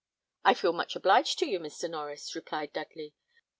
"I feel much obliged to you, Mr. Norries," replied Dudley.